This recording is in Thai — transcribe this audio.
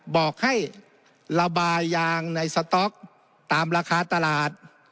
บอกให้ระบายยางในสต๊อกตามราคาตลาด